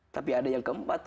tapi ada yang keempat